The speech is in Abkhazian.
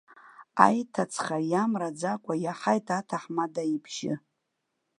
Аиҭаҵха иамраӡакәа иаҳаит аҭаҳмада ибжьы.